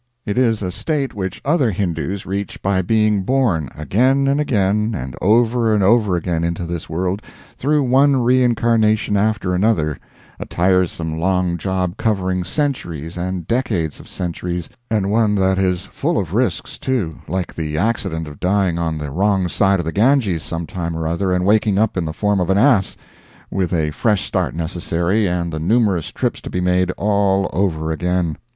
It is a state which other Hindoos reach by being born again and again, and over and over again into this world, through one re incarnation after another a tiresome long job covering centuries and decades of centuries, and one that is full of risks, too, like the accident of dying on the wrong side of the Ganges some time or other and waking up in the form of an ass, with a fresh start necessary and the numerous trips to be made all over again.